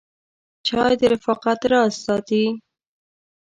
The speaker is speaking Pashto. چای د رفاقت راز ساتي.